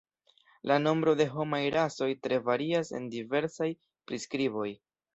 La nombro de homaj rasoj tre varias en diversaj priskriboj.